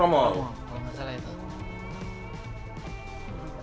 trommel kalo gak salah itu